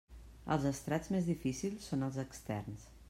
Els estrats més difícils són els externs.